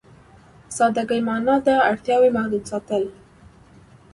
سادهګي معنا ده اړتياوې محدود ساتل.